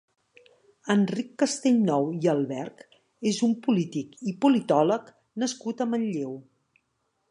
Enric Castellnou i Alberch és un polític i politòleg nascut a Manlleu.